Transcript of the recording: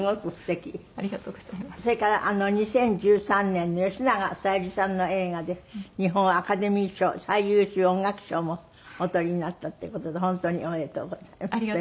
それから２０１３年の吉永小百合さんの映画で日本アカデミー賞最優秀音楽賞もお取りになったっていう事で本当におめでとうございました。